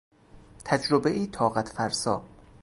تجربهای طاقت فرسا